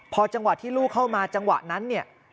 พอจังหวะที่ลูกเข้ามาจังหวะนั้นเนี่ย